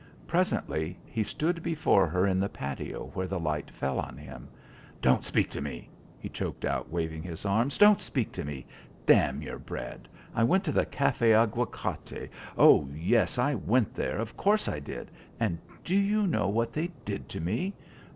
Presently he stood before her in the patio where the light fell on him. "Don't speak to me," he choked out waving his arms. "Don't speak to me! Damn your bread! I went to the Café Aguacate! Oh, yes, I went there! Of course, I did! And do you know what they did to me?